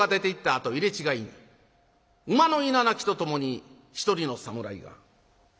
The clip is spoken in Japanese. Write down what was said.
あと入れ違いに馬のいななきとともに一人の侍が。